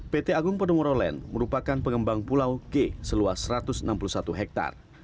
pt agung podomoro land merupakan pengembang pulau g seluas satu ratus enam puluh satu hektare